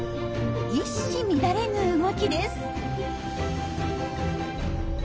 一糸乱れぬ動きです。